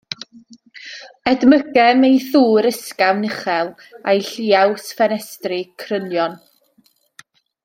Edmygem ei thŵr ysgafn uchel a'i lliaws ffenestri crynion.